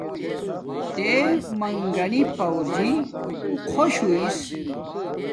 تے منگنی پورجی اُݹ خوش ہݸس